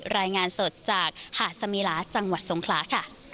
รายงานสดจากหาดสมิลาจังหวัดสงขลาค่ะ